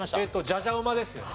じゃじゃうまですよね。